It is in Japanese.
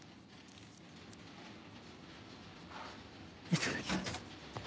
いただきます。